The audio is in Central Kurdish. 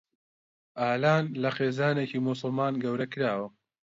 ئالان لە خێزانێکی موسڵمان گەورە کراوە.